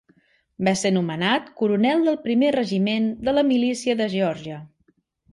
Va ser nomenat coronel del primer regiment de la milícia de Geòrgia.